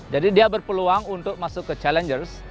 jadi dia berpeluang untuk masuk ke challengers